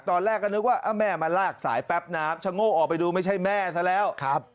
ตอนแรกก็นึกว่าแม่มาลากสายแป๊บน้ำชะโง่ออกไปดูไม่ใช่แม่ซะแล้ว